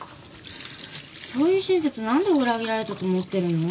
そういう親切何度裏切られたと思ってるの？